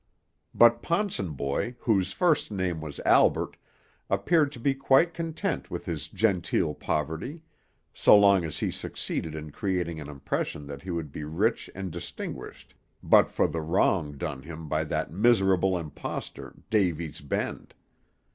But Ponsonboy, whose first name was Albert, appeared to be quite content with his genteel poverty, so long as he succeeded in creating an impression that he would be rich and distinguished but for the wrong done him by that miserable impostor, Davy's Bend.